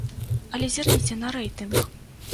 Але зірніце на рэйтынг.